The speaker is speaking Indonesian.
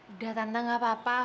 udah tante gak apa apa